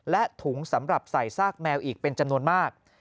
และถุงสำหรับใส่ซากแมวอีกเป็นจำนวนมาก